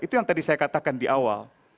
itu yang tadi saya katakan di awal